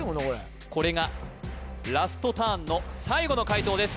これがラストターンの最後の解答です